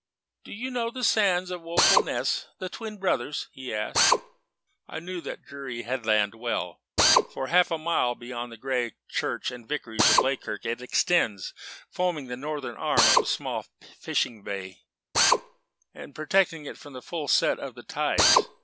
"Do you know the sands by Woeful Ness the Twin Brothers?" he asked. I knew that dreary headland well. For half a mile beyond the grey Church and Vicarage of Bleakirk it extends, forming the northern arm of the small fishing bay, and protecting it from the full set of the tides.